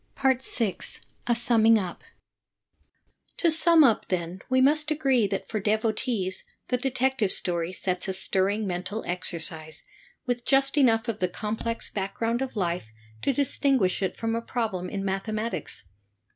, 6, A Summing Up ^■~ To sum up, then, we must agree that for devotees the Detective Story sets a stirring mental exercise, with just enough of the complex backgroimd of life to distinguish it from a problem in mathematics.